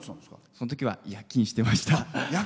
そのときは夜勤してました。